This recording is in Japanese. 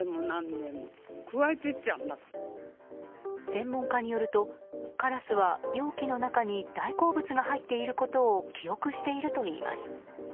専門家によるとカラスは容器の中に大好物が入っていることを記憶しているといいます。